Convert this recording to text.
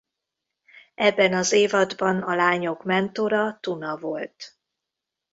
Ebben az évadban a lányok mentora Tuna volt.